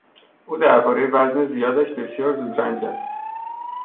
او دربارهی وزن زیادش بسیار زود رنج است.